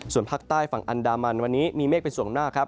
ส่วนภาคใต้ฝั่งอันดามันวันนี้มีเมฆเป็นส่วนหน้าครับ